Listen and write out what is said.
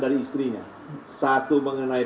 dari istrinya satu mengenai